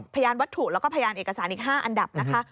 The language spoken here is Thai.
พยานวัตถุแล้วก็พยานเอกสารอีก๕อันดับนะคะ